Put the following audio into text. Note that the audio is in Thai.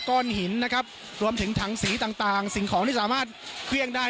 ก้อนหินนะครับรวมถึงถังสีต่างสิ่งของที่สามารถเครื่องได้